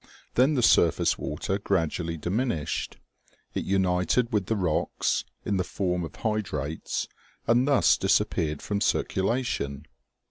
Then the surface water gradually diminished ; it united with the rocks, in the form of hydrates, and thus disappeared from circulation.